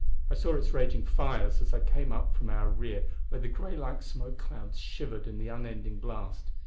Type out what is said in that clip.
I saw its raging fires as I came up from our rear where the gray like smoke clouds shivered in the unending blast.